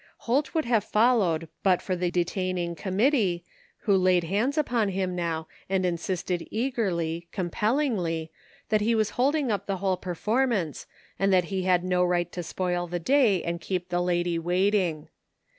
Holt would have followed but for the detaining com mittee, who laid hands upon him now and insisted eagerly, compellingly , that he was holding up the whole performance and he had no right to spoil the day and keep the lady waiting.